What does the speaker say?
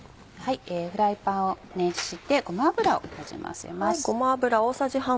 フライパンを熱してごま油をなじませます。